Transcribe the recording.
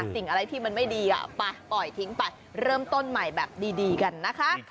สิ่งอะไรที่มันไม่ดีไปปล่อยทิ้งไปเริ่มต้นใหม่แบบดีกันนะคะ